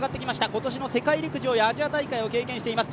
今年の世界陸上やアジア大会を経験しています。